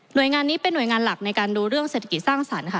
โดยงานนี้เป็นหน่วยงานหลักในการดูเรื่องเศรษฐกิจสร้างสรรค์ค่ะ